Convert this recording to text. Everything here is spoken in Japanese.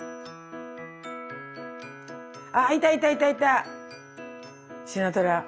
あいたいたいたいたシナトラ。